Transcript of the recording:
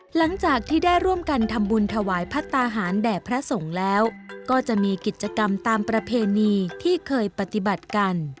หลังจากที่ได้ร่วมกันทำบุญถวายพระตาหารแด่พระสงฆ์แล้วก็จะมีกิจกรรมตามประเพณีที่เคยปฏิบัติกัน